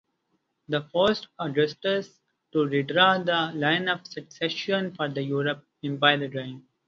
This forced Augustus to redraw the line of succession for the Empire again.